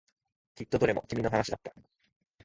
きっとどれも君の話だった。